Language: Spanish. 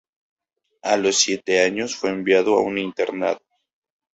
A los siete años fue enviado a un internado.